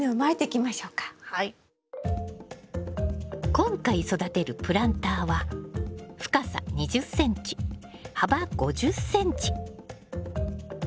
今回育てるプランターは深さ２０ｃｍ幅５０ｃｍ。